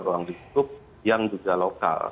ruang ditutup yang juga lokal